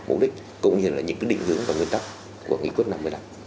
mục đích cũng như là những định hướng và nguyên tắc của nghị quyết năm mươi năm